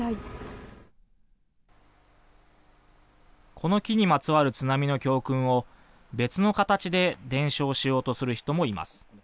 この木にまつわる津波の教訓を別の形で伝承しようとする人もいます。